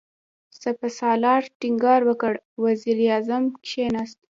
سپهسالار ټينګار وکړ، وزير اعظم کېناست.